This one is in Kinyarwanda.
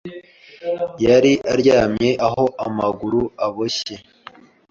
Yari aryamye aho amaguru aboshye